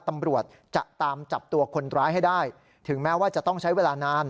ตำรวจจะตามจับตัวคนร้ายให้ได้ถึงแม้ว่าจะต้องใช้เวลานาน